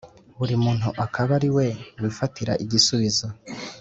buri muntu akaba ari we wifatira igisubizo.